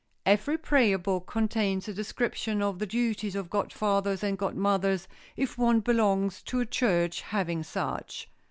Every prayer book contains a description of the duties of godfathers and godmothers, if one belongs to a church having such.